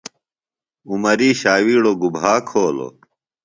عمری شاویڑو گُبھا کھولو؟